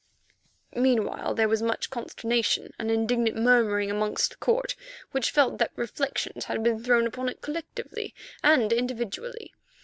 Meanwhile there was much consternation and indignant murmuring amongst the Court, which felt that reflections had been thrown upon it collectively and individually.